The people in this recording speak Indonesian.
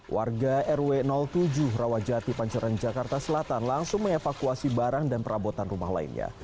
warga rw tujuh rawajati pancoran jakarta selatan langsung mengevakuasi barang dan perabotan rumah lainnya